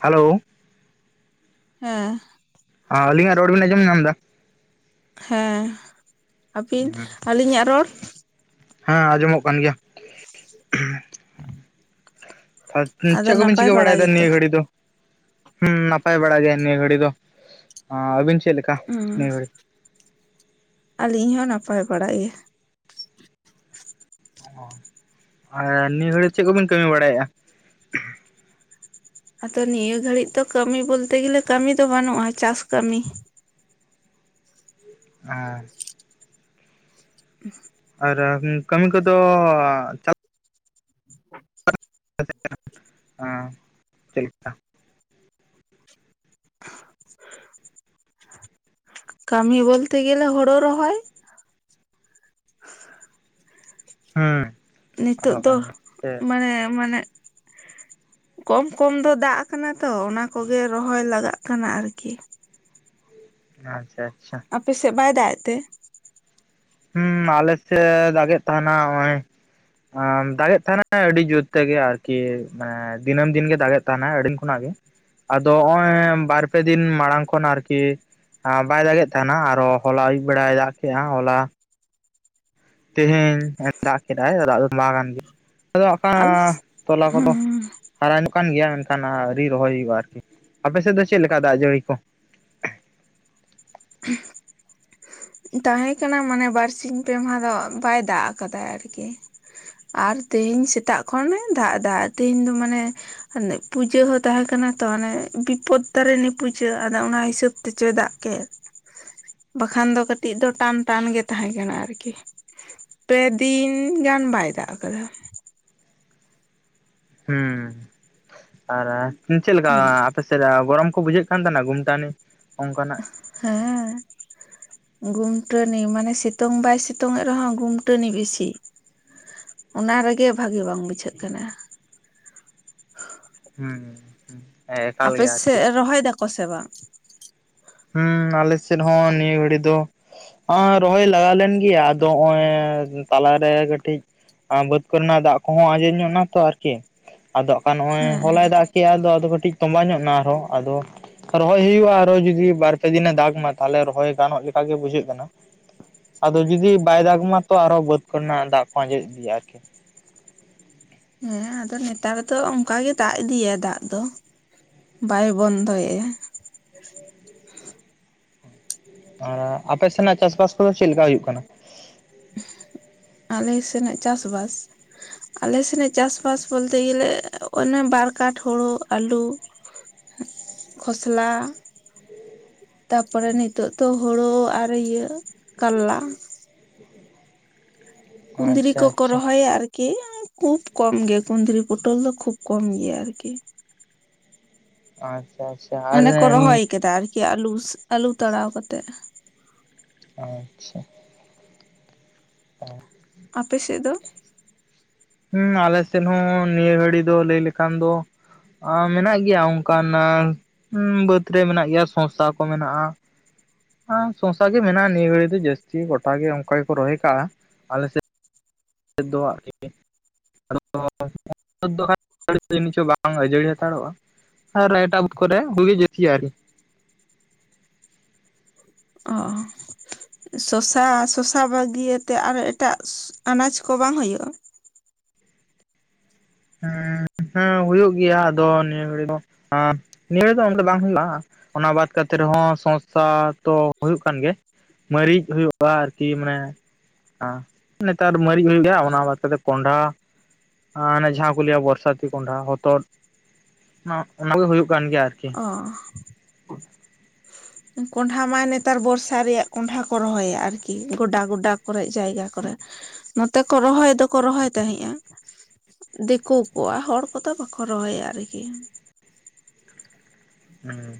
Hello ᱦᱮᱸ ᱦᱟ ᱟᱹᱞᱤᱧᱟᱜ ᱨᱚᱲ ᱵᱮᱤᱱ ᱟᱸᱡᱚᱢ ᱧᱟᱢ ᱮᱫᱟ? ᱦᱮᱸ ᱟᱹᱯᱤᱱ ᱟᱹᱞᱤᱧᱟᱜ ᱨᱚᱲ ᱦᱮᱸ ᱟᱸᱡᱚᱢᱚᱜ ᱠᱟᱱ ᱜᱮᱭᱟ ᱾ ᱪᱮᱫ ᱟᱫᱚ ᱠᱚᱵᱤᱱ ᱱᱟᱯᱟᱭ ᱪᱤᱠᱟᱹ ᱵᱟᱲᱟ ᱵᱟᱲᱟᱭᱮᱫᱟ ᱜᱮᱛᱚ ᱱᱤᱭᱟᱹ ᱜᱷᱟᱹᱲᱤ ᱫᱚ? ᱦᱮᱸ ᱱᱟᱯᱟᱭ ᱵᱟᱲᱟ ᱜᱮᱭᱟ ᱱᱤᱭᱟᱹ ᱜᱷᱟᱹᱲᱤ ᱫᱚ, ᱟᱹᱵᱤᱱ ᱪᱮᱫᱞᱮᱠᱟ ᱦᱩᱸ ᱱᱤᱭᱟᱹ ᱜᱷᱟᱹᱲᱤ? ᱟᱹᱞᱤᱧ ᱦᱚᱸ ᱱᱟᱯᱟᱭ ᱵᱟᱲᱟᱜ ᱜᱮᱭᱟ᱾ ᱚ ᱟᱨ ᱱᱤᱭᱟᱹ ᱜᱷᱟᱹᱲᱤᱡ ᱪᱮᱫ ᱠᱚᱵᱤᱱ ᱠᱟᱹᱢᱤ ᱵᱟᱲᱟᱭᱮᱫᱼᱟ? ᱟᱫᱚ ᱱᱤᱭᱟᱹ ᱜᱷᱟᱹᱲᱤᱡ ᱫᱚ ᱠᱟᱹᱢᱤ ᱵᱚᱞᱛᱮ ᱜᱮᱞᱮ ᱠᱟᱹᱢᱤ ᱫᱚ ᱵᱟᱹᱱᱩᱜᱼᱟ ᱪᱟᱥ ᱠᱟᱹᱢᱤ᱾ ᱦᱮ ᱟᱨ ᱠᱟᱹᱢᱤ ᱠᱚᱫᱚ [inaudible] ᱪᱮᱫᱞᱮᱠᱟ? ᱠᱟᱹᱢᱤ ᱵᱚᱞᱛᱮ ᱜᱮᱞᱮ ᱦᱚᱲᱚ ᱨᱚᱦᱚᱭ᱾ ᱦᱮᱸ ᱟᱫᱚ ᱠᱟᱱ [unintelligible] ᱦᱮᱸ ᱢᱟᱱᱮ [inaudible] ᱠᱚᱢ ᱠᱚᱢ ᱫᱚ ᱫᱟᱜ ᱠᱟᱱᱟ ᱛᱚ ᱚᱱᱟ ᱠᱚᱜᱮ ᱨᱚᱦᱚᱭ ᱞᱟᱜᱟᱜ ᱠᱟᱱᱟ ᱟᱨᱠᱤ᱾ ᱟᱪᱪᱷᱟ ᱟᱪᱪᱷᱟ᱾ ᱟᱯᱮᱥᱮᱫ ᱵᱟᱭ ᱫᱟᱜ ᱮᱫ ᱛᱮ? ᱦᱩᱸ ᱟᱞᱮᱥᱮᱫ ᱫᱟᱜᱮᱫ ᱛᱟᱦᱮᱱᱟ ᱱᱚᱜᱼᱚᱭ ᱫᱟᱜᱮᱫ ᱛᱟᱦᱮᱱᱟᱭ ᱟᱹᱰᱤ ᱡᱳᱨ ᱛᱮᱜᱮ ᱟᱨᱠᱤ ᱢᱟᱱᱮ ᱫᱤᱱᱟᱹᱢ ᱫᱤᱱ ᱜᱮ ᱫᱟᱜᱮᱫ ᱛᱟᱦᱮᱱᱟᱭ ᱟᱹᱤᱱ ᱠᱷᱚᱱᱟᱜ ᱜᱮ᱾ ᱟᱫᱚ ᱱᱚᱜ ᱚᱭ ᱵᱟᱨᱯᱮ ᱫᱤᱱ ᱢᱟᱲᱟᱝ ᱠᱷᱚᱱ ᱟᱨᱠᱤ ᱵᱟᱭ ᱫᱟᱜ ᱮᱫ ᱛᱟᱦᱮᱱᱟ ᱟᱨᱚ ᱦᱚᱞᱟ ᱟᱹᱭᱩᱵ ᱵᱮᱲᱟᱭ ᱫᱟᱜ ᱠᱮᱫᱼᱟ ᱦᱚᱞᱟ ᱛᱮᱦᱮᱧ ᱫᱟᱜ ᱠᱮᱫᱟᱭ ᱫᱟᱜ ᱫᱚ ᱢᱟ ᱠᱟᱱ ᱜᱮ ᱟᱫᱚ ᱟᱠᱟ ᱟᱞᱮ ᱛᱚᱞᱟ ᱠᱚᱫᱚ ᱦᱩᱸ ᱦᱟᱨᱟ ᱧᱚᱜ ᱠᱟᱱ ᱜᱮᱭᱟ ᱢᱮᱱᱠᱷᱟᱱ ᱟᱹᱣᱨᱤ ᱨᱚᱦᱚᱭ ᱦᱩᱭᱩᱜᱼᱟ ᱟᱨᱠᱤ ᱟᱯᱮᱥᱮᱫ ᱫᱚ ᱪᱮᱫ ᱞᱮᱠᱟ ᱫᱟᱜ ᱡᱟᱹᱲᱤ ᱠᱚ? ᱛᱟᱦᱮᱸ ᱠᱟᱱᱟ ᱢᱟᱱᱮ ᱵᱟᱨᱥᱤᱧ ᱯᱮ ᱢᱟᱦᱟ ᱫᱚ ᱵᱟᱭ ᱫᱟᱜ ᱟᱠᱟᱫᱟ ᱟᱨᱠᱤ᱾ ᱟᱨ ᱛᱮᱦᱤᱧ ᱥᱮᱛᱟᱜ ᱠᱷᱚᱱᱮ ᱫᱟᱜ ᱫᱟᱜ ᱛᱮᱦᱤᱧ ᱫᱚ ᱢᱟᱱᱮ ᱯᱩᱡᱟᱹ ᱦᱚᱸ ᱛᱟᱦᱮᱸᱠᱟᱱᱟ ᱛᱚ ᱦᱟᱱᱮ ᱵᱤᱯᱚᱫ ᱛᱟᱨᱮᱱᱤ ᱯᱩᱡᱟᱹ ᱟᱫᱚ ᱚᱱᱟ ᱦᱤᱥᱟᱹᱵ ᱛᱮᱪᱚᱭ ᱫᱟᱜ ᱠᱮᱫ᱾ [inaudible] ᱵᱟᱠᱷᱟᱱ ᱫᱚ ᱠᱟᱹᱴᱤᱡ ᱫᱚ ᱴᱟᱱ ᱴᱟᱱ ᱜᱮ ᱛᱟᱦᱮᱸ ᱠᱟᱱᱟ ᱟᱨᱠᱤ᱾ ᱯᱮ ᱫᱤᱱ ᱜᱟᱱ ᱵᱟᱭ ᱫᱟᱜ ᱟᱠᱟᱫᱟ᱾ ᱦᱮᱸ, ᱟᱨ ᱪᱮᱫ ᱞᱮᱠᱟ ᱦᱮᱸ ᱟᱥᱮᱫ ᱜᱚᱨᱚᱢ ᱠᱚ ᱵᱩᱡᱷᱟᱹᱜ ᱠᱟᱱ ᱛᱟᱦᱮᱱᱟ ᱜᱩᱢᱥᱟᱱᱤ ᱚᱱᱠᱟᱱᱟᱜ᱾ ᱦᱮᱸ᱾ ᱜᱩᱢᱴᱟᱹᱱᱤ, ᱢᱟᱱᱮ ᱥᱤᱛᱩᱝ ᱵᱟᱭ ᱥᱤᱛᱩᱝ ᱮᱫ ᱨᱮᱦᱚᱸ ᱜᱩᱢᱴᱟᱹᱱᱤ ᱵᱤᱥᱤ᱾ ᱚᱱᱟ ᱨᱮᱜᱮ ᱵᱷᱟᱜᱮ ᱵᱟᱝ ᱵᱩᱡᱷᱟᱹᱜ ᱠᱟᱱᱟ᱾ ᱦᱮᱸ ᱦᱮᱸ ᱦᱮᱸ᱾ ᱟᱯᱮ ᱥᱮᱜ ᱨᱚᱦᱚᱭ ᱫᱟᱠᱚ ᱥᱮ ᱵᱟᱝ? ᱦᱩᱸ ᱟᱞᱮ ᱥᱮᱫ ᱦᱚᱸ ᱱᱤᱭᱟᱹ ᱜᱷᱟᱹᱲᱤ ᱫᱚ ᱟᱸ ᱨᱚᱦᱚᱭ ᱞᱟᱜᱟᱣ ᱞᱮᱱ ᱜᱮᱭᱟ ᱟᱫᱚ ᱱᱚᱜ-ᱚᱭ ᱛᱟᱞᱟᱨᱮ ᱠᱟᱹᱴᱤᱡ ᱟᱸ ᱵᱟᱹᱫ ᱠᱚᱨᱮᱱᱟᱜ ᱫᱟᱜ ᱠᱚᱦᱚᱸ ᱟᱸᱡᱮᱫ ᱧᱚᱜ ᱱᱟ ᱛᱚ ᱟᱨᱠᱤ᱾ ᱟᱫᱚ ᱠᱟᱱ ᱱᱚᱜᱼᱚᱭ ᱦᱮᱸ ᱦᱮᱸ ᱦᱚᱞᱟᱭ ᱫᱟᱜᱽ ᱠᱮᱼᱟᱭ ᱟᱫᱚ ᱟᱫᱚ ᱠᱟᱹᱴᱤᱡᱽ ᱛᱚᱸᱵᱟ ᱧᱚᱜ ᱮᱱᱟ ᱟᱨᱦᱚᱸ ᱟᱫᱚ ᱨᱚᱦᱚᱭ ᱦᱩᱭᱩᱜᱼᱟ ᱟᱨᱦᱚ ᱡᱚᱫᱤ ᱵᱟᱨᱯᱮ ᱫᱤᱱᱮ ᱫᱟᱜᱽ ᱢᱟ ᱛᱟᱦᱞᱮ ᱨᱚᱦᱚᱭ ᱜᱟᱱᱚᱜ ᱞᱮᱠᱟᱜ ᱜᱮ ᱵᱩᱡᱷᱟᱹᱜ ᱠᱟᱱᱟ᱾ ᱟᱫᱚ ᱡᱩᱫᱤ ᱵᱟᱭ ᱫᱟᱜᱽᱢᱟ ᱛᱚ ᱟᱨᱚ ᱵᱟᱹᱫᱽ ᱠᱚᱨᱮᱱᱟᱜ ᱫᱟᱜᱽ ᱠᱚ ᱟᱸᱡᱮᱫ ᱤᱫᱤᱭᱟ ᱟᱨᱠᱤ᱾ ᱦᱮᱸ ᱟᱫᱚ ᱱᱮᱛᱟᱨ ᱫᱚ ᱚᱱᱠᱟᱜ ᱜᱮ ᱫᱟᱜᱽ ᱤᱫᱤᱭᱤᱭᱟ ᱫᱟᱜᱽ ᱫᱚ ᱵᱟᱭ ᱵᱚᱱᱫᱚᱭᱟ᱾ ᱟᱨ ᱟᱯᱮ ᱥᱮᱱᱟᱜ ᱪᱟᱥᱵᱟᱥ ᱠᱚᱫᱚ ᱪᱮᱫ ᱞᱮᱠᱟ ᱦᱩᱭᱩᱜ ᱠᱟᱱᱟ᱾ ᱟᱞᱮ ᱥᱮᱱᱟᱜ ᱪᱟᱥᱵᱟᱥ? ᱟᱞᱮ ᱥᱮᱱᱟᱜ ᱪᱟᱥᱼᱵᱟᱥ ᱵᱚᱞᱛᱮ ᱜᱮᱞᱮ ᱚᱱᱮ ᱵᱟᱨ ᱠᱟᱴ ᱦᱳᱲᱳ, ᱟᱹᱞᱩ ᱠᱷᱚᱥᱞᱟ᱾ ᱛᱟᱯᱚᱨᱮ ᱱᱤᱛᱚᱜ ᱛᱚ ᱦᱳᱲᱳ ᱟᱨ ᱤᱭᱟᱹ ᱠᱟᱞᱞᱟ᱾ ᱠᱩᱸᱫᱽᱨᱤ ᱟᱪᱪᱷᱟ ᱠᱚᱠᱚ ᱟᱪᱪᱷᱟ ᱨᱚᱦᱚᱭᱟ ᱟᱨ ᱠᱤ ᱠᱷᱩᱵ ᱠᱚᱢ ᱜᱮ, ᱠᱩᱫᱽᱨᱤᱤᱴ, ᱯᱚᱴᱚᱞ ᱫᱚ ᱠᱷᱩᱵ ᱠᱚᱢ ᱜᱮᱭᱟ ᱟᱨᱠᱤ᱾ ᱟᱪᱪᱷᱟ ᱟᱪᱪᱷᱟ᱾ ᱟᱨ ᱢᱟᱱᱮ ᱠᱚ ᱨᱚᱦᱚᱭ ᱠᱟᱫᱟ ᱟᱨᱠᱤ ᱟᱹᱞᱩᱥ ᱟᱞᱩ ᱛᱟᱲᱟᱣ ᱠᱟᱛᱮᱫ᱾ ᱟᱪᱪᱷᱟ᱾ ᱚ᱾ ᱟᱯᱮ ᱥᱮᱫ ᱫᱚ? ᱦᱩᱸ ᱟᱞᱮᱥᱮᱫ ᱦᱚᱸ ᱱᱤᱭᱟᱹ ᱜᱷᱟᱹᱲᱤ ᱫᱚ ᱞᱟᱹᱭ ᱞᱮᱠᱷᱟᱱ ᱫᱚ, ᱟᱸ ᱢᱮᱱᱟᱜ ᱜᱮᱭᱟ ᱚᱱᱠᱟᱱ ᱵᱟᱹᱫ ᱨᱮ ᱢᱮᱱᱟᱜ ᱜᱮᱭᱟ ᱥᱚᱸᱥᱟ ᱠᱚ ᱢᱮᱱᱟᱜᱼᱟ᱾ ᱟᱸ ᱥᱚᱸᱥᱟ ᱜᱮ ᱢᱮᱱᱟᱜᱼᱟ ᱱᱤᱭᱟᱹ ᱜᱷᱟᱹᱲᱤᱡ ᱫᱚ ᱡᱟᱹᱥᱛᱤ, ᱜᱚᱴᱟ ᱜᱮ ᱚᱱᱠᱟ ᱜᱮᱠᱚ ᱨᱚᱦᱚᱭ ᱠᱟᱜᱼᱟ᱾ ᱟᱞᱮᱥᱮᱫ [unintelligible] [inaudible] ᱫᱚ ᱪᱚ ᱵᱟᱝ ᱟᱹᱡᱟᱹᱲᱤ ᱦᱟᱛᱟᱲᱚᱜᱼᱟ [inaudible] ᱟᱨ ᱨ ᱮᱴᱟ ᱵᱩᱛ ᱠᱚᱨᱮ ᱦᱩᱭᱜᱤ ᱡᱥ ᱟᱨᱤ [unintelligible] ᱚ᱾ ᱥᱚᱥᱟ, ᱥᱚᱥᱟ ᱵᱟᱹᱜᱤᱭᱟᱛᱮ ᱟᱨᱚ ᱮᱴᱟᱜ ᱟᱱᱟᱡᱽ ᱠᱚ ᱵᱟᱝ ᱦᱩᱭᱩᱜᱼᱟ? ᱦᱮᱸ ᱦᱮᱸ ᱦᱩᱭᱩᱜ ᱜᱮᱭᱟ ᱟᱫᱚ ᱱᱤᱭᱟᱹ ᱜᱷᱟᱹᱲᱤ ᱫᱚ ᱟᱸ ᱱᱤᱭᱟᱹ [inaudible] ᱫᱚ ᱚᱱᱰᱮ ᱵᱟᱝ ᱦᱩᱭᱩᱜᱼᱟ᱾ ᱚᱱᱟ ᱵᱟᱫ ᱠᱟᱛᱮ ᱨᱮᱦᱚᱸ ᱥᱚᱸᱥᱟ ᱛᱚ ᱦᱳᱭᱳᱜ ᱠᱟᱱ ᱜᱮ᱾ ᱢᱟᱹᱨᱤᱡᱽ ᱦᱩᱭᱩᱜᱼᱟ᱾ ᱟᱨᱠᱤ ᱢᱟᱱᱮ ᱱᱮᱛᱟᱨ ᱢᱟᱨᱤᱡ ᱦᱩᱭᱩᱜ ᱜᱮᱭᱟ ᱚᱱᱟ ᱵᱟᱫ ᱠᱟᱛᱮ ᱠᱚᱱᱰᱷᱟ᱾ ᱡᱟᱦᱟᱸ ᱠᱚ ᱞᱟᱹᱭᱟ ᱵᱚᱨᱥᱟᱛᱤ ᱠᱚᱸᱰᱷᱟ ᱦᱚᱛᱚᱫ ᱚ-ᱚᱱᱟ ᱠᱚᱮ ᱦᱩᱭᱩᱜ ᱠᱟᱱ ᱜᱮᱭᱟ ᱟᱨᱠᱤ᱾ ᱚ ᱠᱚᱸᱰᱷᱟ ᱢᱟ ᱱᱮᱛᱟᱨ ᱵᱚᱨᱥᱟ ᱨᱮᱭᱟᱜ ᱠᱚᱸᱰᱷᱟ ᱠᱚ ᱨᱚᱦᱚᱭᱟ ᱟᱨᱠᱤ, ᱜᱚᱰᱟ ᱜᱚᱰᱟ ᱠᱚᱨᱮᱜ ᱡᱟᱭᱜᱟ ᱠᱚᱨᱮᱜ᱾ ᱱᱚᱛᱮ ᱠᱚ ᱨᱚᱦᱚᱭ ᱫᱚᱠᱚ ᱨᱚᱦᱚᱭ ᱛᱟᱦᱮᱸᱫᱼᱟ᱾ ᱫᱤᱠᱩ ᱠᱚᱣᱟ, ᱦᱚᱲ ᱠᱚᱫᱚ ᱵᱟᱠᱚ ᱨᱚᱦᱚᱭᱟ ᱟᱨᱠᱤ᱾ ᱦᱩᱸ,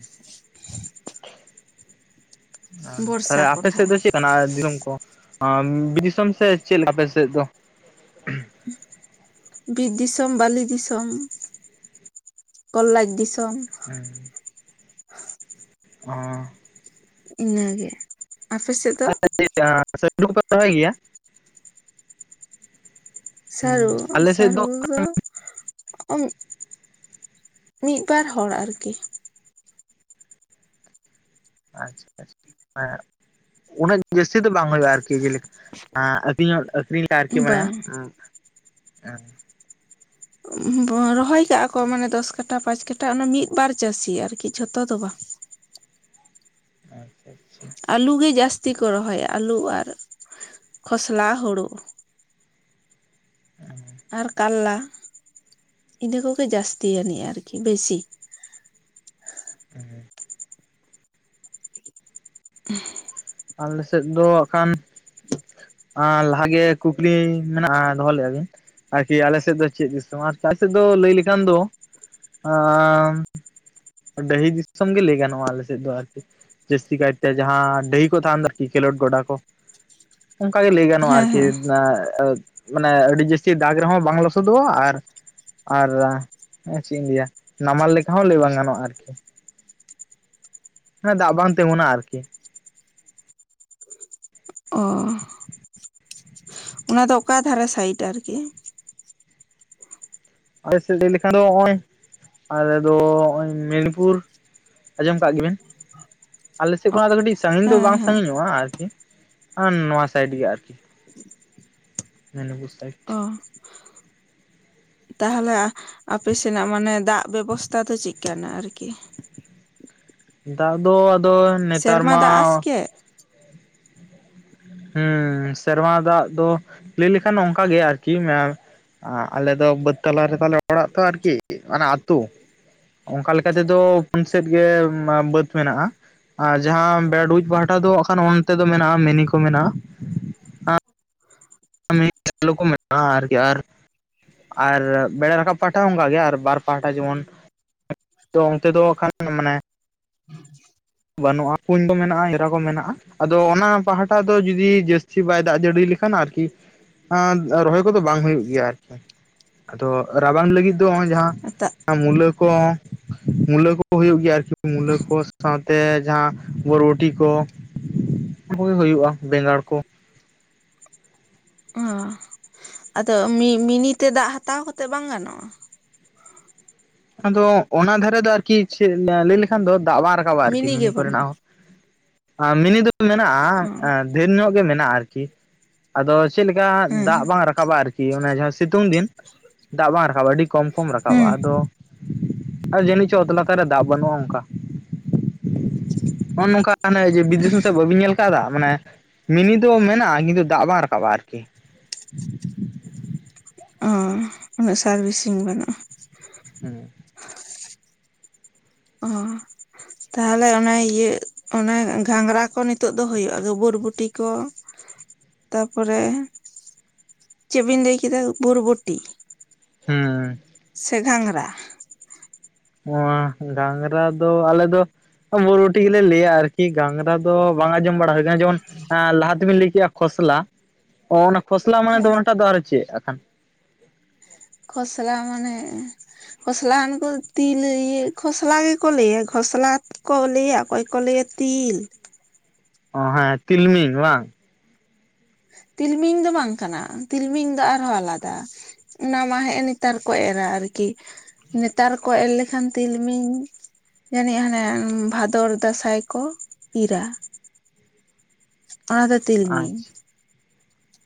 ᱵᱚᱨᱥᱟ ᱛᱟᱦᱞᱮ ᱟᱯᱮ ᱠᱚᱸᱰᱷᱟ ᱥᱮᱫ ᱫᱚ ᱪᱮᱫ ᱠᱟᱱᱟ ᱫᱤᱥᱚᱢ ᱠᱚ ᱵᱤᱨ ᱫᱤᱥᱚᱢ ᱥᱮ ᱪᱮᱫ ᱞᱮᱠᱟ ᱟᱯᱮ ᱥᱮᱫ ᱫᱚ? ᱵᱤᱨ ᱫᱤᱥᱢ, ᱵᱟᱞᱤ ᱫᱤᱥᱚᱢ, ᱠᱚᱞᱞᱟᱡ ᱫᱤᱥᱚᱢ᱾ ᱦᱮᱸ ᱚ᱾ ᱤᱱᱟᱹᱜᱮ᱾ ᱟᱯᱮ ᱥᱮᱫ ᱫᱚ? ᱪᱤᱫ [unintelligible] ᱯᱮ ᱨᱚᱦᱚᱭ ᱜᱮᱭᱟ? ᱥᱟᱹᱨᱩ ᱟᱞᱮ ᱥᱮᱫ ᱥᱟᱨᱩ ᱫᱚ? ᱢᱤᱫ ᱵᱟᱨ ᱦᱚᱲ ᱟᱨᱠᱤ᱾ ᱟᱪᱪᱷᱟ ᱟᱪᱪᱷᱟ ᱦᱮᱸ᱾ ᱩᱱᱟᱹᱜ ᱡᱟᱹᱥᱛᱤ ᱫᱚ ᱵᱟᱝ ᱦᱩᱭᱩᱜᱼᱟ ᱟᱨᱠᱤ ᱡᱮᱞᱮᱠ ᱟᱹᱛᱤᱧᱚᱜ ᱟᱹᱠᱷᱨᱤᱧ᱾ ᱟᱨᱠᱤ ᱢᱟᱱᱮ ᱵᱟᱝ ᱨᱚᱦᱚᱭ ᱠᱟᱜᱼᱟ ᱠᱚ ᱢᱟᱱᱮ ᱫᱚᱥ ᱠᱟᱴᱟ ᱯᱟᱸᱪ ᱠᱟᱴᱟ ᱚᱱᱟ ᱢᱤᱫᱵᱟᱨ ᱪᱟᱹᱥᱤ ᱟᱨᱠᱤ ᱡᱷᱚᱛᱚ ᱫᱚ ᱵᱟᱝ᱾ ᱟᱪᱪᱷᱟ ᱟᱪᱪᱷᱟ᱾ ᱟᱹᱞᱩ ᱜᱤ ᱡᱟᱹᱥᱛᱤ ᱠᱚ ᱨᱚᱦᱚᱭᱟ ᱟᱹᱞᱩ ᱟᱨ ᱠᱷᱚᱥᱞᱟ ᱦᱩᱲᱩ᱾ ᱟᱨ ᱠᱟᱞᱞᱟ, ᱤᱱᱟᱹ ᱠᱚᱜᱮ ᱡᱟᱹᱥᱛᱤ ᱟᱹᱱᱤᱡ ᱟᱨᱠᱤ ᱵᱮᱥᱤ᱾ ᱦᱮᱸ᱾ ᱟᱞᱮ ᱥᱮᱫ ᱫᱚ ᱠᱷᱟᱱ ᱞᱟᱦᱟᱜᱮ ᱠᱩᱠᱞᱤ ᱢᱮᱱᱟᱜᱼᱟ, ᱫᱚᱦᱚ ᱞᱮᱜᱼᱟ ᱵᱤᱱ᱾ ᱟᱨᱠᱤ ᱟᱞᱮ ᱥᱮᱫ ᱫᱚ ᱪᱮᱫ ᱫᱤᱥᱚᱢ ᱟᱨ ᱪ ᱟᱞ [unintelligible] ᱥᱮᱫ ᱫᱚ ᱞᱟᱹᱭ ᱞᱮᱠᱷᱟᱱ ᱫᱚ ᱟᱸᱻ᱾ ᱰᱟᱹᱦᱤ ᱫᱤᱥᱚᱢ ᱜᱮ ᱞᱟᱹᱭ ᱜᱟᱱᱚᱜᱼᱟ ᱟᱞᱮ ᱥᱮᱫ ᱫᱚ ᱟᱨᱠᱤ᱾ ᱡᱟᱹᱥᱛᱤ ᱠᱟᱭᱛᱮ ᱡᱟᱦᱟᱸ ᱰᱟᱹᱦᱤ ᱠᱚ ᱛᱟᱦᱮᱱ ᱫᱚ ᱟᱨᱠᱤ ᱠᱷᱮᱞᱳᱰ ᱜᱚᱰᱟ ᱠᱚ᱾ ᱚᱱᱠᱟ ᱜᱮ ᱞᱟᱹᱭ ᱜᱟᱱᱚᱜᱼᱟ ᱦᱮᱸ ᱟᱨᱠᱤ ᱦᱮᱸ ᱢᱟᱱᱮ ᱟᱹᱰᱤ ᱡᱟᱹᱥᱛᱤ ᱫᱟᱜ ᱨᱮᱦᱚᱸ ᱵᱟᱝ ᱞᱚᱥᱚᱫᱚᱜᱼᱟ ᱟᱨ ᱟᱨ ᱪᱤᱧ ᱞᱟᱹᱭᱟ ᱱᱟᱢᱟᱞ ᱞᱮᱠᱟ ᱦᱚᱸ ᱞᱟᱹᱭ ᱵᱟᱝ ᱜᱟᱱᱚᱜᱼᱟ ᱟᱨᱠᱤ ᱦᱮᱸ ᱫᱟᱜ ᱵᱟᱝ ᱛᱤᱸᱜᱩᱱᱟ ᱟᱨᱠᱤ᱾ ᱚᱦ ᱚᱱᱟ ᱫᱚ ᱚᱠᱟ ᱫᱷᱟᱨᱮ ᱥᱟᱭᱤᱴ ᱟᱨᱠᱤ? ᱟᱞᱮ ᱥᱮᱫ ᱞᱟᱹᱭ ᱞᱮᱠᱷᱟᱱ ᱫᱚ ᱚᱸᱭ ᱟᱞᱮ ᱫᱚ ᱚᱸᱭ ᱢᱮᱫᱱᱤᱯᱩᱨ᱾ ᱟᱸᱡᱚᱢ ᱠᱟᱜ ᱜᱮᱵᱤᱱ, ᱟᱞᱮ ᱥᱮᱫ ᱠᱷᱚᱱᱟᱜ ᱫᱚ ᱠᱟᱹᱴᱤᱡᱽ ᱥᱟᱺᱜᱤᱧ ᱫᱚ ᱦᱮᱸ ᱵᱟᱝ ᱦᱮᱸ ᱥᱟᱺᱜᱤᱧᱚᱜᱼᱟ ᱟᱨᱠᱤ᱾ ᱟᱨ ᱱᱚᱣᱟ ᱥᱟᱭᱤᱰ ᱜᱤ ᱟᱨᱠᱤ ᱢᱮᱱᱤᱯᱩᱨ ᱥᱟᱭᱤᱴ᱾ ᱚ ᱛᱟᱦᱚᱞᱮ ᱟ ᱟᱯᱮ ᱥᱮᱱᱟᱜ ᱢᱟᱱᱮ ᱫᱟᱜᱽ ᱵᱮᱵᱚᱥᱛᱟ ᱫᱚ ᱪᱤᱫ ᱠᱟᱱᱟ ᱟᱨᱠᱤ? ᱫᱟᱜᱽ ᱫᱚ ᱟᱫᱚ ᱱᱮᱛᱟᱨ ᱥᱮᱨᱢᱟ ᱢᱟ ᱫᱟᱜ ᱟᱥᱜᱮ ᱦᱩᱸ ᱥᱮᱨᱢᱟ ᱫᱟᱜᱽ ᱫᱚ ᱞᱟᱹᱭ ᱞᱮᱠᱷᱟᱱ ᱚᱱᱠᱟ ᱜᱤ ᱟᱨᱠᱤ ᱢᱮ ᱟᱞᱮ ᱫᱚ ᱵᱟᱹᱫᱽ ᱛᱟᱞᱟ ᱨᱮ ᱛᱟᱞᱮ ᱚᱲᱟᱜ ᱛᱚ ᱟᱨᱠᱤ ᱚᱱᱟ ᱟᱹᱛᱩ ᱚᱱᱠᱟ ᱞᱮᱠᱟ ᱛᱮᱫᱚ ᱯᱩᱱ ᱥᱮᱫ ᱜᱮ ᱵᱟᱹᱛ ᱢᱮᱱᱟᱜᱼᱟ᱾ ᱟᱨ ᱡᱟᱦᱟᱸ ᱵᱮᱲᱰᱩᱡ ᱯᱟᱦᱟᱴᱟ ᱫᱚ ᱟᱠᱷᱟᱱ ᱚᱱᱛᱮ ᱫᱚ ᱢᱮᱱᱟᱜᱼᱟ ᱢᱮᱱᱤ ᱠᱚ ᱢᱮᱱᱟᱜᱼᱟ᱾ ᱢᱮᱱᱤ ᱥᱮᱞᱳ ᱠᱚ ᱢᱮᱛᱟᱜᱼᱟ ᱟᱨᱠᱤ ᱟᱨ ᱟᱨ ᱵᱮᱲᱟ ᱨᱟᱠᱟᱵ ᱯᱟᱦᱟᱴᱟ ᱦᱚᱸ ᱚᱝᱠᱟ ᱜᱮ ᱟᱨ ᱵᱟᱨ ᱯᱟᱦᱟᱴᱟ ᱡᱮᱢᱚᱱ ᱛᱚ ᱚᱱᱛᱮ ᱫᱚ ᱟᱠᱷᱟᱱ ᱢᱟᱱᱮ ᱵᱟᱹᱱᱩᱜᱼᱟ ᱠᱩᱧ ᱠᱚ ᱢᱮᱱᱟᱜᱼᱟ ᱮᱨᱟ ᱠᱚ ᱢᱮᱱᱟᱜᱼᱟ᱾ ᱟᱫᱚ ᱚᱱᱟ ᱯᱟᱦᱟᱴᱟ ᱫᱚ ᱡᱩᱫᱤ ᱡᱟᱹᱥᱛᱤ ᱵᱟᱭ ᱫᱟᱜᱽ ᱡᱟᱹᱲᱤ ᱞᱮᱠᱷᱟᱱ ᱟᱨᱠᱤ᱾ ᱟᱸ ᱨᱚᱦᱚᱭ ᱠᱚᱫᱚ ᱵᱟᱝ ᱦᱩᱭᱩᱜ ᱜᱮᱭᱟ ᱟᱨᱠᱤ ᱟᱫᱚ ᱨᱟᱵᱟᱝ ᱞᱟᱹᱜᱤᱫ ᱫᱚ ᱚᱭ ᱡᱟᱦᱟᱸ ᱫᱟᱜ ᱢᱩᱞᱟᱹ ᱠᱚ, ᱢᱩᱞᱟᱹ ᱠᱚ ᱦᱩᱭᱩᱜ ᱜᱮᱭᱟ ᱟᱨᱠᱤ ᱢᱩᱞᱟᱹ ᱠᱚ ᱥᱟᱶ ᱛᱮ ᱡᱟᱦᱟᱸ ᱵᱚᱨᱵᱚᱴᱤ ᱠᱚ ᱚᱱᱟ ᱠᱚᱜᱮ ᱦᱩᱭᱩᱜᱼᱟ ᱵᱮᱸᱜᱟᱲ ᱠᱚ᱾ ᱚ ᱟᱫᱚ ᱢᱤ ᱢᱤᱱᱤ ᱛᱮ ᱫᱟᱜᱽ ᱦᱟᱛᱟᱣ ᱠᱟᱛᱮᱫ ᱵᱟᱝ ᱜᱟᱱᱚᱜᱼᱟ? ᱟᱫᱚ ᱚᱱᱟ ᱫᱷᱟᱨᱮ ᱫᱚ ᱟᱨᱠᱤ ᱪᱮᱫ ᱞᱟᱹᱭ ᱞᱮᱠᱷᱟᱱ ᱫᱚ ᱫᱟᱜ ᱵᱟᱝ ᱨᱟᱠᱟᱵᱟ ᱟᱨᱠᱤ ᱜᱮ ᱢᱤᱱᱤ ᱵᱟᱹᱱᱩᱜᱼᱟ ᱠᱚᱨᱮᱱᱟᱜ ᱦᱚᱸ᱾ ᱢᱤᱱᱤ ᱫᱚ ᱚ ᱢᱮᱱᱟᱜᱼᱟ, ᱰᱷᱮᱨ ᱧᱚᱜ ᱜᱮ ᱢᱮᱱᱟᱜᱼᱟ ᱟᱨᱠᱤ᱾ ᱟᱫᱚ ᱪᱮᱫ ᱞᱮᱠᱟ ᱦᱮᱸ ᱫᱟᱜᱽ ᱵᱟᱝ ᱨᱟᱠ ᱠᱟᱵ ᱟ ᱟᱨᱠᱤ ᱚᱱᱮ ᱡᱟᱦᱟᱸ ᱥᱤᱛᱩᱝ ᱫᱤᱱ ᱫᱟᱜᱽ ᱵᱟᱝ ᱨᱟᱠᱟᱵᱟ ᱟᱹᱰᱤ ᱠᱚᱢ ᱠᱚᱢ ᱨᱟᱠᱟᱣᱼᱟ ᱦᱮᱸ ᱟᱫᱚ ᱟᱨ ᱡᱟᱹᱱᱤᱡ ᱪᱚ ᱚᱛ ᱞᱟᱛᱟᱨ ᱨᱮ ᱫᱟᱜᱽ ᱵᱟᱹᱱᱩᱜᱼᱟ ᱚᱱᱠᱟ᱾ ᱚᱼᱱᱚᱝᱠᱟ ᱟᱱᱮ ᱵᱤᱫᱮᱥᱚ ᱥᱮᱫ ᱵᱟᱹᱵᱤᱱ ᱧᱮᱞ ᱠᱟᱜᱼᱟ ᱫᱟᱜ ᱢᱟᱱᱮ ᱢᱤᱱᱤ ᱫᱚ ᱢᱮᱱᱟᱜᱼᱟ ᱠᱤᱱᱛᱩ ᱫᱟᱜᱽ ᱵᱟᱝ ᱨᱟᱠᱟᱵᱼᱟ ᱟᱨᱠᱤ᱾ ᱚ ᱩᱱᱟᱹᱜ ᱥᱟᱨᱵᱷᱤᱥᱤᱝ ᱵᱟᱹᱱᱩᱜᱼᱟ᱾ ᱦᱩᱸ᱾ ᱚ᱾ ᱛᱟᱦᱚᱞᱮ ᱚᱱᱟ ᱤᱭᱟᱹ, ᱜᱷᱟᱸᱝᱨᱟ ᱠᱚ ᱱᱤᱛᱳᱜ ᱫᱚ ᱦᱩᱭᱩᱜᱼᱟ ᱜᱟᱹᱵᱟᱹᱨ ᱵᱚᱴᱤ ᱠᱚ᱾ ᱛᱟᱨᱯᱚᱨᱮ ᱪᱮᱜ ᱵᱤᱱ ᱞᱟᱹᱭ ᱠᱮᱫᱟ ᱵᱚᱨᱵᱚᱴᱤ? ᱦᱩᱸ ᱥᱮ ᱜᱷᱟᱝᱨᱟ᱾ ᱚ ᱜᱷᱟᱝᱨᱟ ᱫᱚ ᱟᱞᱮ ᱫᱚ᱾ ᱵᱚᱨᱵᱚᱴᱤ ᱜᱮᱞᱮ ᱞᱟᱹᱭᱟ ᱟᱨᱠᱤ ᱜᱟᱝᱨᱟ ᱫᱚ ᱵᱟᱝ ᱟᱸᱡᱚᱢ ᱵᱟᱲᱟ ᱟᱠᱟᱱᱟ ᱡᱮᱢᱚᱱ ᱞᱟᱦᱟ ᱛᱮᱵᱤᱱ ᱞᱟᱹᱭ ᱠᱮᱜᱼᱟ ᱠᱷᱚᱥᱞᱟ ᱚ ᱚᱱᱟ ᱠᱷᱚᱥᱞᱟ ᱢᱟᱱᱮ ᱫᱚ ᱦᱮᱸ ᱚᱱᱟᱴᱟᱜ ᱫᱚ ᱟᱨᱚ ᱪᱮᱫ ᱟᱠᱷᱟᱱ? ᱠᱷᱚᱥᱞᱟ ᱢᱟᱱᱮ, ᱠᱷᱚᱥᱞᱟ ᱟᱱᱥ ᱠᱚ ᱛᱤᱞ ᱤᱭᱟᱹ ᱠᱷᱚᱥᱞᱟ ᱜᱮ ᱠᱚ ᱞᱟᱹᱭᱟ ᱠᱷᱚᱥᱞᱟ ᱠᱚ ᱞᱟᱹᱭᱟ ᱟᱠᱚᱭ ᱠᱚ ᱞᱟᱹᱭᱟ ᱛᱤᱞ᱾ ᱚ ᱦᱮᱸ ᱛᱤᱞᱢᱤᱧ ᱵᱟᱝ᱾ ᱛᱤᱞᱢᱤᱧ ᱫᱚ ᱵᱟᱝ ᱠᱟᱱᱟ ᱾ ᱛᱤᱞᱢᱤᱧ ᱫᱚ ᱟᱨᱦᱚᱸ ᱟᱞᱟᱫᱟ᱾ ᱚᱱᱟ ᱢᱟ ᱦᱮᱜᱸᱼᱮ ᱱᱮᱛᱟᱨ ᱠᱚ ᱮᱨᱟ ᱟᱨᱠᱤ᱾ ᱱᱮᱛᱟᱨ ᱠᱚ ᱮᱨ ᱞᱮᱠᱷᱟᱱ ᱛᱤᱞᱢᱤᱧ᱾ ᱡᱟᱹᱱᱤᱡ ᱦᱟᱱᱮ ᱵᱷᱟᱫᱚᱨ ᱫᱟᱸᱥᱟᱭ ᱠᱚ ᱤᱨᱟ᱾ ᱚᱱᱟ ᱫᱚ ᱛᱤᱞᱢᱤᱧ ᱟᱪᱪᱷᱟ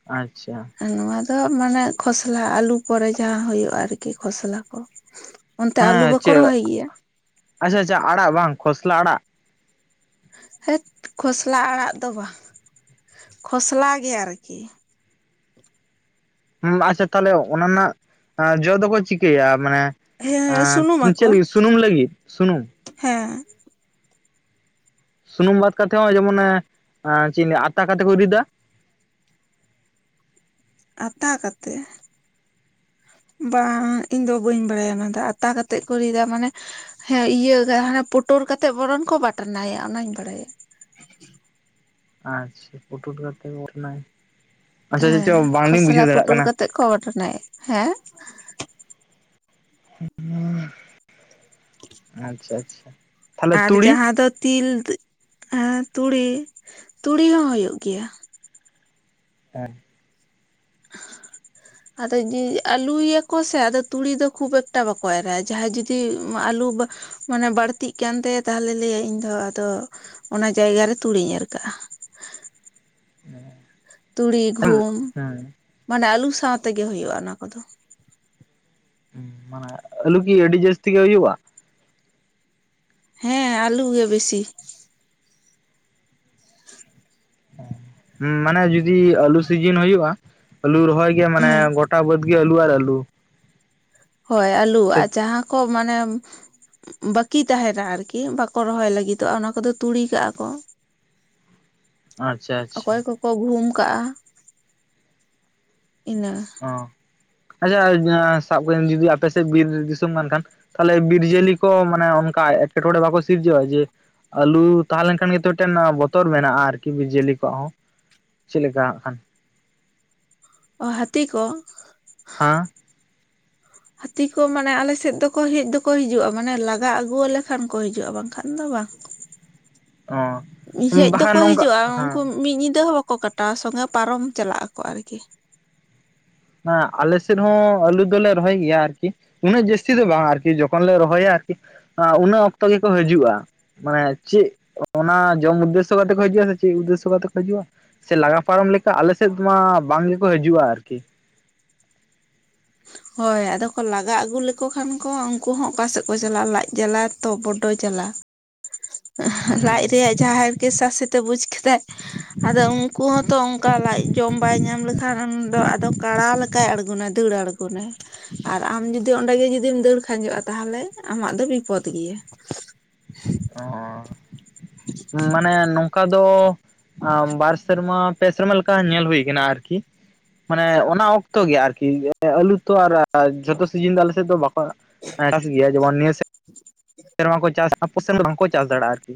ᱟᱪᱪᱷᱟ ᱱᱚᱣᱟ ᱫᱚ ᱢᱟᱱᱮ ᱠᱷᱚᱥᱞᱟ ᱟᱹᱞᱩ ᱯᱚᱨᱮ ᱡᱟᱦᱟᱸ ᱦᱩᱭᱩᱜᱼᱟ, ᱟᱨᱠᱤ ᱠᱷᱚᱥᱞᱟ ᱠᱚ᱾ ᱚᱱᱛᱮ ᱢᱟᱱᱮ ᱟᱹᱞᱩ ᱵᱟᱠᱚ ᱪᱮᱜ, ᱨᱚᱦᱚᱭ ᱜᱮᱭᱟ ᱟᱪᱪᱷᱟ ᱟᱪᱪᱷᱟ ᱟᱲᱟᱜ ᱵᱟᱝ ᱠᱷᱚᱥᱞᱟ ᱟᱲᱟᱜ᱾ ᱦᱟᱹᱴ ᱠᱷᱚᱥᱞᱟ ᱟᱲᱟᱜ ᱫᱚ ᱵᱟᱝ, ᱠᱷᱚᱥᱞᱟ ᱜᱮ ᱟᱨᱠᱤ᱾ ᱦᱩᱸ ᱟᱪᱪᱷᱟ ᱛᱟᱦᱚᱞᱮ ᱚᱱᱟ ᱨᱮᱱᱟᱜ ᱡᱚ ᱫᱚᱠᱚ ᱪᱤᱠᱟᱹᱭᱟ? ᱢᱟᱱᱮ ᱦᱮᱸ ᱥᱩᱱᱩᱢ ᱪᱮᱫ ᱟᱠᱚ ᱞᱟᱹᱜᱤᱫ ᱥᱩᱱᱩᱢ ᱞᱟᱹᱜᱤᱫ, ᱥᱩᱱᱩᱢ᱾ ᱦᱮᱸ ᱥᱩᱱᱩᱢ ᱵᱟᱫ ᱠᱟᱛᱮᱫ ᱦᱚᱸ ᱡᱮᱢᱚᱱ ᱚᱱᱮ, ᱟᱛᱟ ᱠᱟᱛᱮ ᱠᱚ ᱨᱤᱫᱟ᱾ ᱟᱛᱟ ᱠᱟᱛᱮᱜ᱾ ᱵᱟᱝ ᱤᱧ ᱫᱚ ᱵᱟᱹᱧ ᱵᱟᱲᱟᱭᱟ ᱚᱱᱟ ᱫᱚ, ᱟᱛᱟ ᱠᱟᱛᱮᱫ ᱠᱚ ᱨᱤᱫᱟ ᱢᱟᱱᱮ ᱦᱮᱸ ᱤᱭᱟᱹ ᱦᱟᱱᱮ ᱯᱳᱴᱳᱨ ᱠᱟᱛᱮᱜ ᱵᱚᱨᱚᱱ ᱠᱚ ᱵᱟᱴᱱᱟᱭᱟ ᱚᱱᱟᱧ ᱵᱟᱲᱟᱭᱟ᱾ ᱟᱪᱪᱷᱟ ᱯᱳᱴᱳᱨ ᱠᱟᱛᱮ ᱟᱪᱪᱷᱟ ᱪᱮᱫ ᱪᱚᱝ ᱵᱟᱝᱞᱤᱧ ᱵᱩᱡᱷᱟᱹᱣ ᱫᱟᱲᱮᱭᱟᱜ ᱠᱟᱱᱟ᱾ ᱠᱚᱵᱟᱴᱱᱟᱭᱟ ᱦᱮᱸ᱾ [unintelligible] ᱟᱪᱪᱷᱟ ᱟᱪᱪᱷᱟ ᱛᱟᱦᱚᱞᱮ ᱟᱨ ᱛᱩᱲᱤ ᱡᱟᱦᱟᱸ ᱫᱚ ᱛᱤᱞᱫ, ᱛᱩᱲᱤ ᱛᱩᱲᱤ ᱦᱚᱸ ᱦᱩᱭᱩᱜ ᱜᱮᱭᱟ᱾ ᱦᱮᱸ [inaudible] ᱟᱫᱚ ᱟᱹᱞᱩᱭᱟᱠᱚ ᱥᱮ ᱟᱫᱚ ᱛᱩᱲᱤ ᱫᱚ ᱠᱷᱩᱵ ᱮᱠᱴᱟ ᱵᱟᱠᱚ ᱮᱨᱟ ᱡᱟᱦᱟᱸᱭ ᱡᱩᱫᱤ ᱟᱞᱩ ᱵᱟ ᱢᱟᱱᱮ ᱵᱟᱹᱲᱛᱤᱜ ᱠᱟᱱᱛᱟᱭᱟ ᱛᱟᱦᱞᱮ ᱞᱟᱹᱭᱟᱭ ᱤᱧᱫᱚ ᱟᱫᱚ, ᱚᱱᱟ ᱡᱟᱭᱜᱟᱨᱮ ᱛᱩᱲᱤᱧ ᱮᱨ ᱠᱟᱜᱼᱟ᱾ ᱛᱩᱲᱤ ᱦᱮᱸ ᱜᱩᱦᱩᱢ, ᱢᱟᱱᱮ ᱟᱹᱞᱩ ᱥᱟᱶᱛᱮᱜᱮ ᱦᱩᱭᱩᱜᱼᱟ ᱚᱱᱟ ᱠᱚᱫᱚ᱾ ᱦᱩᱸ ᱢᱟᱱᱮ ᱟᱞᱩ ᱠᱤ ᱟᱹᱰᱤ ᱡᱟᱹᱥᱛᱤ ᱜᱮ ᱦᱳᱭᱳᱜᱼᱟ? ᱦᱮᱸ ᱟᱹᱞᱩ ᱜᱮ ᱵᱮᱥᱤ᱾ [unintelligible] ᱢᱟᱱᱮ ᱡᱩᱫᱤ ᱟᱹᱞᱩ ᱥᱤᱡᱤᱱ ᱦᱳᱭᱳᱜᱼᱟ ᱟᱹᱞᱩ ᱨᱚᱦᱚᱭ ᱜᱮ ᱢᱟᱱᱮ ᱦᱮᱸ ᱜᱚᱴ ᱴᱟ ᱵᱟᱹᱫ ᱜᱮ ᱟᱹᱞᱩ ᱟᱨ ᱟᱹᱞᱩ ᱦᱳᱭ ᱟᱹᱞᱩ ᱥᱮ ᱟᱨ ᱡᱟᱦᱟᱸ ᱠᱚ ᱢᱟᱱᱮ ᱵᱟᱹᱠᱤ ᱛᱟᱦᱮᱱᱟ ᱟᱨᱠᱤ ᱵᱟᱠᱚ ᱨᱚᱦᱚᱭ ᱞᱟᱹᱜᱤᱫᱚᱜᱼᱟ ᱚᱱᱟ ᱠᱚᱫᱚ ᱛᱩᱲᱤ ᱠᱟᱜᱼᱟ ᱠᱚ ᱟᱪᱪᱷᱟ ᱚᱠᱚᱭ ᱟᱪᱪᱷᱟ ᱠᱚᱠᱚ ᱜᱩᱦᱩᱢ ᱠᱟᱜᱼᱟ ᱤᱱᱟᱹ᱾ ᱚ ᱟᱪᱪᱷᱟ ᱥᱟᱵ ᱵᱮᱥ ᱡᱩᱫᱤ ᱟᱯᱮ ᱥᱮᱫ ᱵᱤᱨ ᱫᱤᱥᱚᱢ ᱠᱟᱱᱠᱷᱟᱱ᱾ ᱛᱟᱦᱚᱞᱮ ᱵᱤᱨ ᱡᱤᱭᱟᱹᱞᱤ ᱠᱚ ᱢᱟᱱᱮ ᱚᱱᱠᱟ ᱮᱴᱠᱮᱴᱚᱬᱮ ᱵᱟᱠᱚ ᱥᱤᱨᱡᱟᱹᱼᱟ ᱡᱮ ᱟᱹᱞᱩ ᱛᱟᱦᱮᱸ ᱞᱮᱱᱠᱷᱟᱱ ᱜᱮᱛᱚ ᱢᱤᱫᱴᱮᱱ ᱵᱚᱛᱚᱨ ᱢᱮᱱᱟᱜᱼᱟ ᱟᱨᱠᱤ ᱵᱤᱡᱽᱟᱹᱞᱤ ᱠᱚᱣᱟᱜ ᱦᱚᱸ᱾ ᱪᱮᱫ ᱞᱮᱠᱟ ᱦᱟᱹᱜ ᱠᱷᱟᱱ᱾ ᱚ ᱦᱟᱹᱛᱤ ᱠᱚ᱾ ᱦᱟᱸ ᱦᱟᱹᱛᱤ ᱠᱚ ᱢᱟᱱᱮ ᱟᱞᱮ ᱥᱮᱫ ᱫᱚᱠᱚ ᱦᱮᱜ ᱫᱚᱠᱚ ᱦᱤᱡᱩᱜᱼᱟ ᱢᱟᱱᱮ ᱞᱟᱜᱟ ᱟᱹᱜᱩᱣᱟᱞᱮ ᱠᱷᱟᱱ ᱠᱚ ᱦᱤᱡᱩᱜᱼᱟ ᱵᱟᱝᱠᱷᱟᱱ ᱫᱚ ᱵᱟᱝ᱾ [inaudible] ᱦᱮᱸ ᱚ ᱦᱮᱡ ᱵᱟᱠᱷᱟᱱ ᱫᱚᱠᱚ ᱱᱚᱝᱠᱟ ᱦᱤᱡᱩᱜ-ᱟ ᱦᱮᱸ ᱩᱱᱠᱩ ᱢᱤᱫ ᱧᱤᱫᱟᱹ ᱦᱚᱸ ᱵᱟᱠᱚ ᱠᱚ ᱠᱟᱴᱟᱣᱟ ᱥᱚᱸᱜᱮ ᱯᱟᱨᱚᱢ ᱪᱟᱞᱟᱜ ᱟᱠᱚ ᱟᱨᱠᱤ ᱦᱚ ᱟᱞᱮ ᱥᱮᱫ ᱦᱚᱸ ᱟᱹᱞᱩ ᱫᱚᱞᱮ ᱨᱚᱦᱚᱭ ᱜᱮᱭᱟ ᱟᱨᱠᱤ ᱩᱱᱟᱹᱜ ᱡᱟᱹᱥᱛᱤ ᱫᱚ ᱵᱟᱝ ᱟᱨᱠᱤ ᱡᱚᱠᱷᱚᱱ ᱞᱮ ᱨᱚᱦᱚᱭᱟ ᱟᱨᱠᱤ ᱩᱱᱟᱹ ᱚᱠᱛᱚ ᱜᱮᱠᱚ ᱦᱤᱡᱩᱜ-ᱟ ᱢᱟᱱᱮ ᱪᱮᱫ ᱚᱱᱟ ᱡᱚᱢ ᱩᱫᱽᱫᱮᱥᱥᱚ ᱠᱟᱛᱮ ᱠᱚ ᱦᱤᱡᱩᱜ-ᱟ ᱥᱮ ᱪᱮᱫ ᱩᱫᱽᱫᱮᱥᱥᱚ ᱠᱟᱛᱮ ᱠᱚ ᱦᱤᱡᱩᱜ-ᱟ ᱥᱮ ᱞᱟᱜᱟ ᱯᱟᱨᱚᱢ ᱞᱮᱠᱟ ᱟᱞᱮ ᱥᱮᱫ ᱢᱟ ᱵᱟᱝ ᱜᱮᱠᱚ ᱦᱤᱡᱩᱜ-ᱟ ᱟᱨᱠᱤ ᱦᱳᱭ ᱟᱫᱚ ᱠᱚ ᱞᱟᱜᱟ ᱟᱹᱜᱩ ᱞᱮᱠᱚ ᱠᱷᱟᱱ ᱠᱚ ᱩᱱᱠᱩ ᱦᱚᱸ ᱚᱠᱟ ᱥᱮᱫ ᱠᱚ ᱪᱟᱞᱟᱜ ᱞᱟᱡ ᱡᱟᱞᱟ ᱛᱚ ᱵᱚᱰᱳ ᱡᱟᱞᱟ ᱞᱟᱡ ᱨᱮᱭᱟᱜ ᱡᱟᱦᱟ ᱦᱟᱨᱠᱮᱛ ᱥᱟᱥᱮᱛᱮ ᱵᱩᱡ ᱠᱮᱫᱟᱭ ᱟᱫᱚ ᱩᱱᱠᱩ ᱦᱚᱸᱛᱚ ᱚᱱᱠᱟ ᱞᱟᱡ ᱡᱚᱢ ᱵᱟᱭ ᱧᱟᱢ ᱞᱮᱠᱷᱟᱱ ᱫᱚ ᱟᱫᱚ ᱠᱟᱲᱟ ᱞᱮᱠᱟᱭ ᱟᱬᱜᱚᱱᱟᱭ ᱫᱟᱹᱲ ᱟᱲᱜᱚᱱᱟᱭ ᱟᱨ ᱟᱢ ᱡᱩᱫᱤ ᱚᱸᱰᱮ ᱜᱮ ᱡᱩᱫᱤ ᱡᱩᱫᱤᱢ ᱫᱟᱹᱲ ᱠᱷᱟᱸᱡᱚᱜ-ᱟ ᱛᱟᱦᱚᱞᱮ ᱟᱢᱟᱜ ᱫᱚ ᱵᱤᱯᱚᱫ ᱜᱮᱭᱟ ᱚ ᱢᱟᱱᱮ ᱱᱚᱝᱠᱟ ᱫᱚ ᱵᱟᱨ ᱥᱮᱨᱢᱟ ᱯᱮ ᱥᱮᱨᱢᱟ ᱞᱮᱠᱟ ᱧᱮᱞ ᱦᱩᱭ ᱟᱠᱟᱱᱟ ᱟᱨᱠᱤ ᱢᱟᱱᱮ ᱚᱱᱟ ᱚᱠᱛᱚ ᱜᱮ ᱟᱨᱠᱤ ᱟᱹᱞᱩ ᱛᱚ ᱟᱨ ᱡᱷᱚᱛᱚ ᱥᱤᱡᱤᱱ ᱫᱚ ᱟᱞᱮ ᱥᱮᱫ ᱫᱚ ᱵᱟᱠᱚ ᱦᱸ ᱜᱮᱭᱟ ᱡᱮᱢᱚᱱ ᱱᱭᱟ ᱥᱮᱫ ᱥᱮᱨᱢᱟ ᱠᱚ ᱪᱟᱥᱟ ᱟᱚ ᱥᱮᱱ ᱫᱚ ᱵᱟᱝᱠᱚ ᱪᱟᱥ ᱫᱟᱲᱮᱭᱟᱜ-ᱟ ᱟᱨᱠᱤ